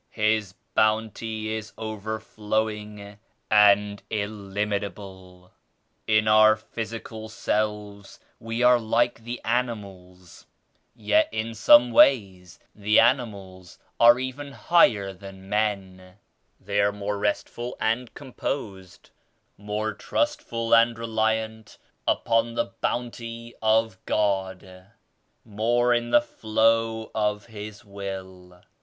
His Bounty is overflowing and illimitable. In our physical selves we are like the animals ; yet in some ways the animals are even higher than men ;— they are more restful and composed; — more trustful and reliant upon the Bounty of God; — more in the flow of His Will.